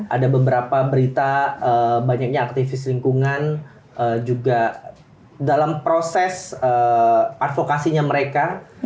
ada beberapa berita banyaknya aktivis lingkungan juga dalam proses advokasinya mereka